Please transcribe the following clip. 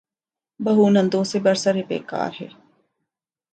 بہو نندوں سے برسر پیکار ہے۔